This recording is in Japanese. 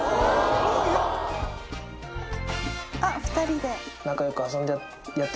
あっ２人で。